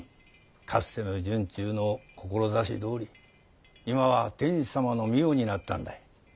かつての惇忠の志どおり今は天子様の御代になったんだ。